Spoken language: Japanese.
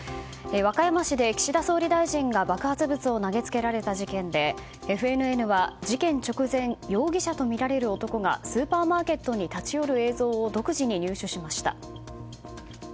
和歌山市で岸田総理大臣が爆発物を投げつけられた事件でＦＮＮは事件直前容疑者とみられる男がスーパーマーケットに立ち寄る映像を独自に入手しました。